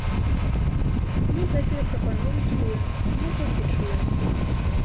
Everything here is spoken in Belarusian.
Мы гэтыя прапановы чуем, і не толькі чуем.